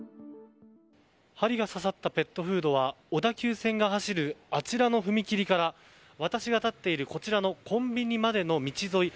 針が刺さったペットフードは小田急線が走るあちらの踏切から私が立っているこちらのコンビニまでの道沿い